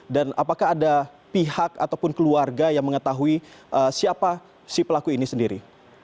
dan apakah ada pihak ataupun keluarga yang mengetahui siapa si pelaku ini sendiri